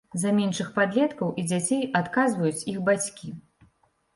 За меншых падлеткаў і дзяцей адказваюць іх бацькі.